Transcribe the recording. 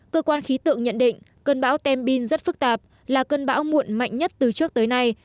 cơ quan khí tượng nhận định cơn bão tem bin rất phức tạp là cơn bão muộn mạnh nhất từ trước tới nay